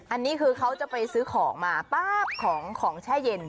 อันนี้คือเขาจะไปซื้อของมาป๊าบของแช่เย็น